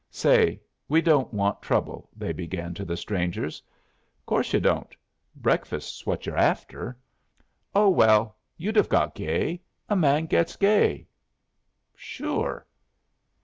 "Say, we don't want trouble," they began to the strangers. "Course you don't. Breakfast's what you're after." "Oh, well, you'd have got gay. A man gets gay." "Sure."